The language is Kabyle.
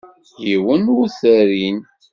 Yiwen ur t-rrin.